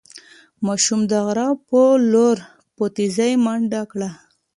ماشوم د غره په لور په تېزۍ منډه کړه.